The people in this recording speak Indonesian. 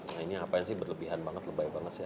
nah ini apa yang sih berlebihan banget lebay banget sih